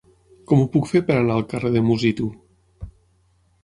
Com ho puc fer per anar al carrer de Musitu?